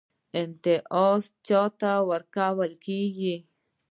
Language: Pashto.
امتیازات چا ته ورکول کیږي؟